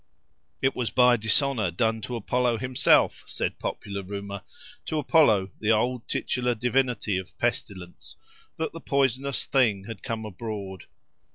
It was by dishonour done to Apollo himself, said popular rumour—to Apollo, the old titular divinity of pestilence, that the poisonous thing had come abroad.